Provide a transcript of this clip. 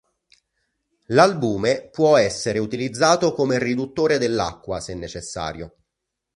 L'albume può essere utilizzato come riduttore dell'acqua se necessario.